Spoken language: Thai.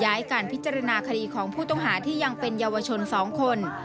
การพิจารณาคดีของผู้ต้องหาที่ยังเป็นเยาวชน๒คน